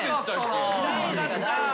知らんかった。